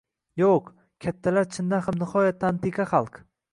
«Yo‘q, kattalar chindan ham nihoyatda antiqa xalq»